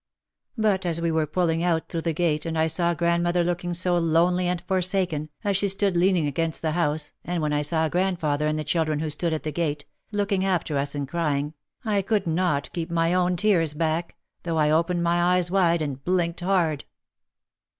But as we were pulling out through the gate and I saw grand mother looking so lonely and forsaken, as she stood leaning against the house, and when I saw grandfather and the children who stood at the gate, looking after us and crying, I could not keep my own tears back, though I opened my eyes wide and blinked hard.